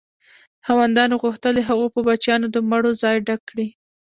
خاوندانو غوښتل د هغو په بچیانو د مړو ځای ډک کړي.